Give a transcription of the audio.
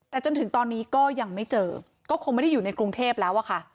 แต่จนถึงตอนนี้ก็ยังไม่เจอก็คงไม่ได้อยู่ในกรุงเทพแล้วอะค่ะ